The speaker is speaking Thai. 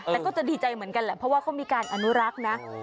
แต่ก็จะดีใจเหมือนกันแหละเพราะว่าเขามีการอนุรักษ์นะ